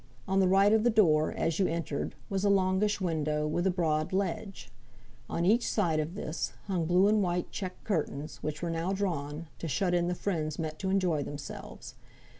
On the right of the door, as you entered, was a longish window, with a broad ledge. On each side of this, hung blue and white check curtains, which were now drawn, to shut in the friends met to enjoy themselves.